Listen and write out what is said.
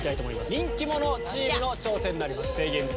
人気者チームの挑戦になります。